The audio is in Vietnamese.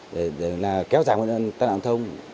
để là kéo giảm nguyên nhân tắt ảo thông